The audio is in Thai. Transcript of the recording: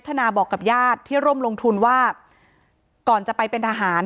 อ๋อเจ้าสีสุข่าวของสิ้นพอได้ด้วย